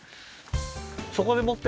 そこでもって！